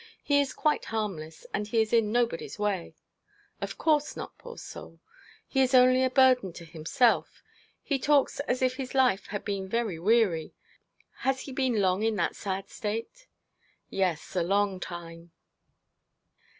He is quite harmless, and he is in nobody's way.' 'Of course not, poor soul. He is only a burden to himself. He talks as if his life had been very weary. Has he been long in that sad state?' 'Yes, a long time.'